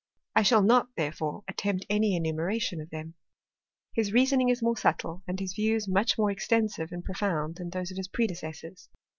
I shall not, therefore, attempt any enumeration of them, His reasoning ii more subtile, and bis views m\ich more extensive and profound than those of his predecessors.